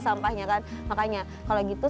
jauh dikasih itu